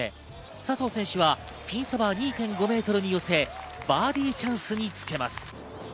笹生選手はピンそば２．５ｍに寄せバーディーチャンスにつけます。